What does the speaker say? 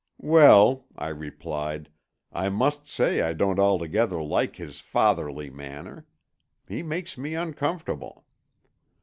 "Well," I replied, "I must say I don't altogether like his fatherly manner. He makes me uncomfortable."